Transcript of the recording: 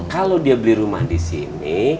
kalau dia beli rumah di sini